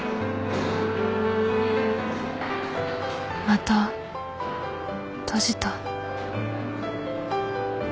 また閉じた